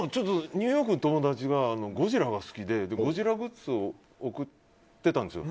ニューヨークの友達がゴジラが好きでゴジラグッズを送ってたんですよ。